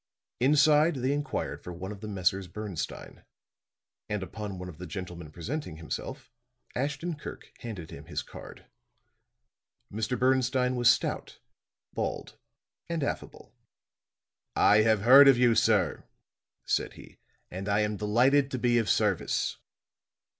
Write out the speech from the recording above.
Inside they inquired for one of the Messrs. Bernstine; and upon one of the gentlemen presenting himself, Ashton Kirk handed him his card. Mr. Bernstine was stout, bald and affable. "I have heard of you, sir," said he, "and I am delighted to be of service!"